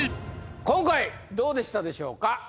今回どうでしたでしょうか？